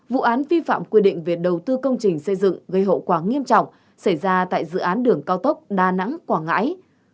vụ án vi phạm quy định về đầu tư công trình xây dựng gây hậu quả nghiêm trọng xảy ra tại dự án đường cao tốc đà nẵng quảng ngãi